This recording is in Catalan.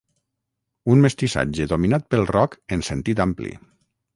Un mestissatge dominat pel rock en sentit ampli.